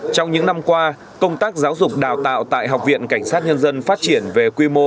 trong những năm qua công tác giáo dục đào tạo tại học viện cảnh sát nhân dân phát triển về quy mô